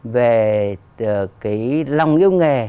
về cái lòng yêu nghề